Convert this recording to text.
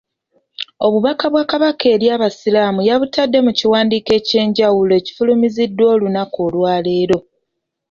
Obubaka bwa Kabaka eri Abasiraamu yabutadde mu kiwandiiko eky'enjawulo ekifulumiziddwa olunaku lwaleero